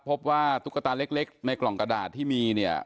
พบว่าตุ๊กตาเล็กในกล่องกระดาษที่มีเนี่ย